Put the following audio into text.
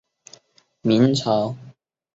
明朝洪武九年降为沅州。